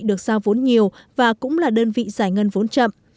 được giao vốn nhiều và cũng là đơn vị giải ngân vốn chậm